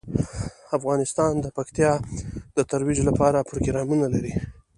افغانستان د پکتیا د ترویج لپاره پروګرامونه لري.